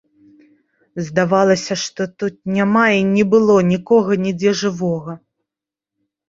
Здавалася, што тут няма і не было нікога нідзе жывога.